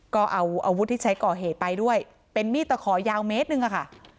ก็เอาอาวุธที่ใช้ก่อเหตุไปด้วยเป็นมีดตะขอยาวเมตรหนึ่งอะค่ะ